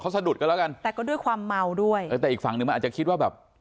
สะดุดกันแล้วกันแต่ก็ด้วยความเมาด้วยเออแต่อีกฝั่งหนึ่งมันอาจจะคิดว่าแบบ